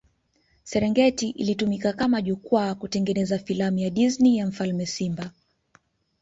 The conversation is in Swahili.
Serengeti ilitumika kama jukwaa kutengeneza filamu ya Disney ya mfalme simba